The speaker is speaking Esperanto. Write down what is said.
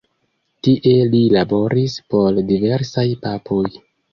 Tie li laboris por diversaj papoj.